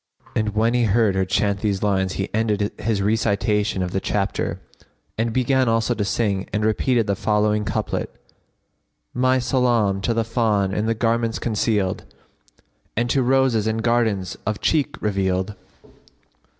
And when he heard her chant these lines he ended his recitation of the chapter, and began also to sing and repeated the following couplet, "My Salбm to the Fawn in the garments concealed, * And to roses in gardens of cheek revealed."